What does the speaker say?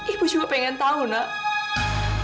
ibu juga pengen tahu nak